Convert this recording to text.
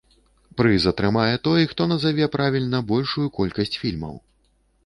Прыз атрымае той, хто назаве правільна большую колькасць фільмаў.